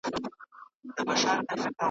موږ د خپل مطرب په وار یو ګوندي راسي .